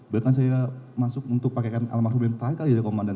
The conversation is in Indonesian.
beliau kan saya masuk untuk memakaikan alam maksum yang terkali ya komandan